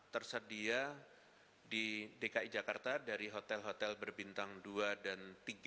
tersedia di dki jakarta dari hotel hotel berbintang dua dan tiga